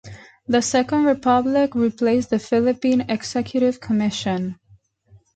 The Second Republic replaced the Philippine Executive Commission.